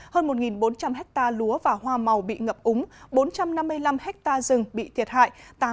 hơn một bốn trăm linh hectare lúa và hoa màu bị ngập úng bốn trăm năm mươi năm hectare rừng bị thiệt hại